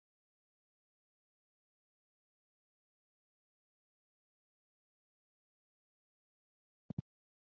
Martin Beaver was born in Winnipeg, and raised in Hamilton, Canada.